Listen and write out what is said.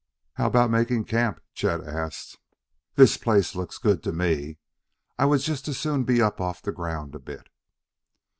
"How about making camp?" Chet asked. "This place looks good to me. I would just as soon be up off the ground a bit."